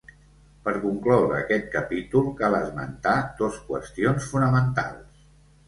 Per concloure aquest capítol, cal esmentar dos qüestions fonamentals.